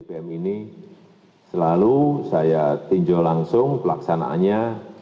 bbm ini selalu saya tinjau langsung pelaksanaannya